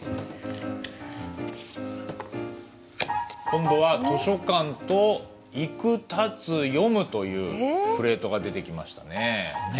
今度は「図書館」と「行く」「建つ」「読む」というプレートが出てきましたね。